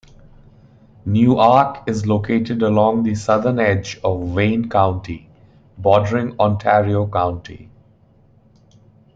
Newark is located along the southern edge of Wayne County, bordering Ontario County.